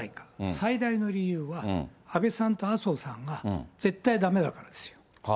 最大の理由は、安倍さんと麻生さんが絶対だめだからですよ。